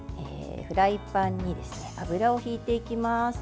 フライパンに油をひいていきます。